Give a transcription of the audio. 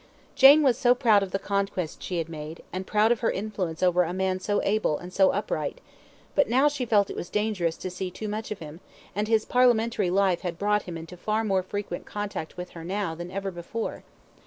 Jane was proud of the conquest she had made, and proud of her influence over a man so able, and so upright; but now she felt it was dangerous to see too much of him, and his parliamentary life had brought him into far more frequent contact with her now than ever before.